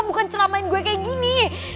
bukan celamain gue kayak gini